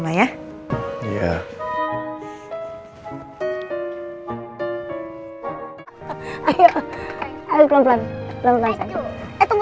kayaknya kamu lebih lebih arena world di marcasa omdat kamu